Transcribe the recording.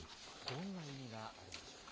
どんな意味があるんでしょうか。